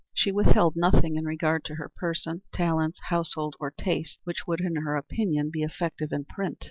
She withheld nothing in regard to her person, talents, household, or tastes which would in her opinion be effective in print.